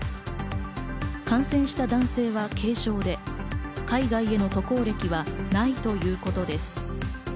感染した男性は軽症で、海外への渡航歴はないということです。